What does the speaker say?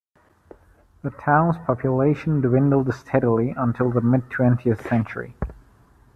The town's population dwindled steadily until the mid twentieth century.